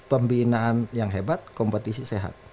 pembinaan yang hebat kompetisi sehat